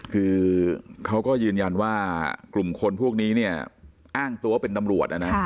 คือเขาก็ยืนยันว่ากลุ่มคนพวกนี้เนี่ยอ้างตัวเป็นตำรวจนะนะ